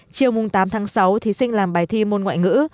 chiều tám tháng sáu thí sinh làm bài thi môn ngoại ngữ